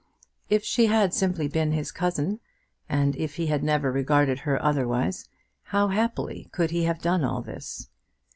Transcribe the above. If she had simply been his cousin, and if he had never regarded her otherwise, how happily could he have done all this!